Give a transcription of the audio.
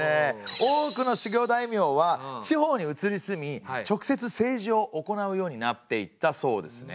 多くの守護大名は地方に移り住み直接政治をおこなうようになっていったそうですね。